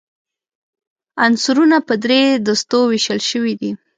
عنصرونه په درې دستو ویشل شوي دي.